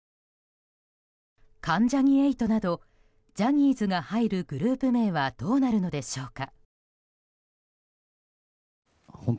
関ジャニ∞などジャニーズが入るグループ名はどうなるのでしょうか。